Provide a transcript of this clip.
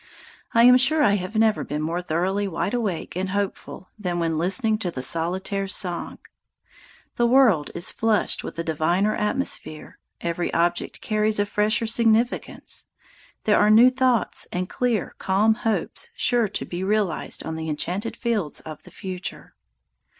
I am sure I have never been more thoroughly wide awake and hopeful than when listening to the solitaire's song. The world is flushed with a diviner atmosphere, every object carries a fresher significance, there are new thoughts and clear, calm hopes sure to be realized on the enchanted fields of the future.